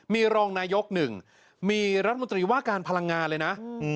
มีรองนายกหนึ่งมีรัฐมนตรีว่าการพลังงานเลยนะ